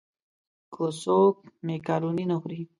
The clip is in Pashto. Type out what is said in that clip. که څوک مېکاروني نه خوري.